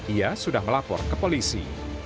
ia sudah melapor ke polisi